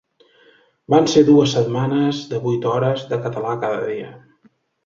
Van ser dues setmanes de vuit hores de català cada dia.